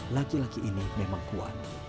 laki laki ini memang kuat